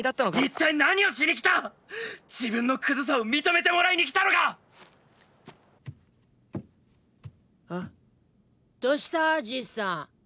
一体何をしに来た⁉自分のクズさを認めてもらいに来たのか⁉ん⁉どうしたじいさん。